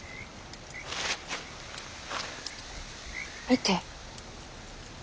見て。